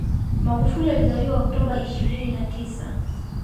Magufuli alizaliwa Oktoba ishirini na tisa